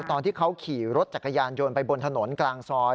ตอนที่เขาขี่รถจักรยานโยนไปบนถนนกลางซอย